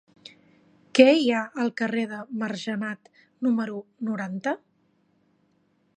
Què hi ha al carrer de Margenat número noranta?